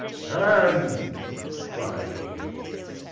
"Stand!" cried he.